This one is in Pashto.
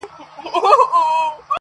خپل یې د ټولو که ځوان که زوړ دی-